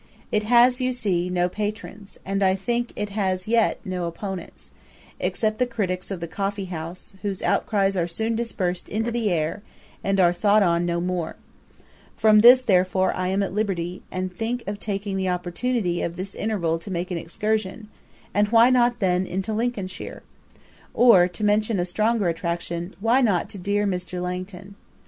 It has, you see, no patrons, and, I think, has yet had no opponents, except the criticks of the coffee house, whose outcries are soon dispersed into the air, and are thought on no more: from this, therefore, I am at liberty, and think of taking the opportunity of this interval to make an excursion; and why not then into Lincolnshire? or, to mention a stronger attraction, why not to dear Mr. Langton?